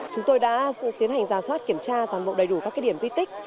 chúng tôi đã tiến hành giả soát kiểm tra toàn bộ đầy đủ các điểm di tích